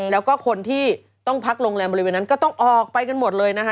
แล้วก็คนที่ต้องพักโรงแรมบริเวณนั้นก็ต้องออกไปกันหมดเลยนะคะ